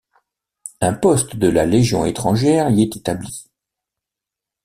Un poste de la Légion étrangère y est établi.